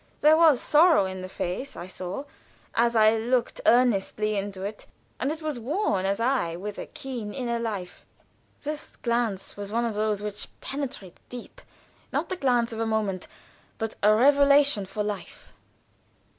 There was sorrow in the face, I saw, as I looked so earnestly into it; and it was worn as if with a keen inner life. This glance was one of those which penetrate deep, not the glance of a moment, but a revelation for life.